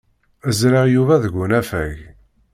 Ẓriɣ Yuba deg unafag.